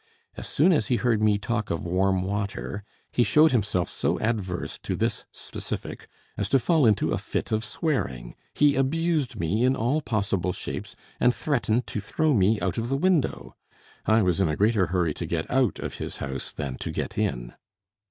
As soon as he heard me talk of warm water, he showed himself so adverse to this specific as to fall into a fit of swearing. He abused me in all possible shapes, and threatened to throw me out of the window. I was in a greater hurry to get out of his house than to get in.